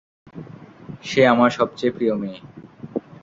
সে আমার সবচেয়ে প্রিয় মেয়ে।